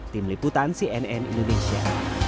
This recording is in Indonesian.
tim liputan cnn indonesia